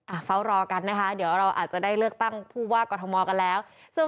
เฝ้ารอกันนะคะเดี๋ยวเราอาจจะได้เลือกตั้งผู้ว่ากรทมกันแล้วซึ่ง